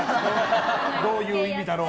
どういう意味だろう？